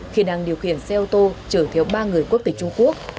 khi đang điều khiển xe ô tô chở theo ba người quốc tịch trung quốc